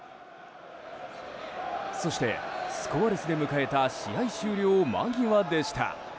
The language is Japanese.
そして、スコアレスで迎えた試合終了間際でした。